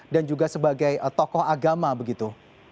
dan juga sebagai tokoh agama begitu